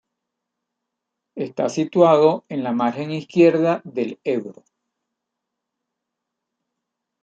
Está situado en la margen izquierda del Ebro.